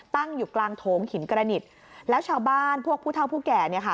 ตั้งอยู่กลางโถงหินกระนิดแล้วชาวบ้านพวกผู้เท่าผู้แก่เนี่ยค่ะ